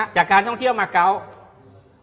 จากการท่องเที่ยวมาเกาะ